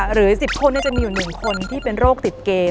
หรือ๑๐คนจะมีอยู่๑คนที่เป็นโรคติดเก